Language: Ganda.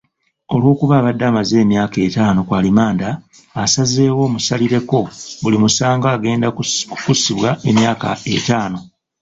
Olw'okuba abadde amaze emyaka ettaano ku alimanda, asazeewo amusalireko, buli musango agenda kugusibwa emyaka ettaano.